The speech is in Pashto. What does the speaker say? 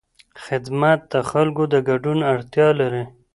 خدمت د خلکو د ګډون اړتیا لري.